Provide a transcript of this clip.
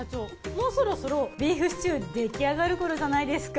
もうそろそろビーフシチューできあがる頃じゃないですか？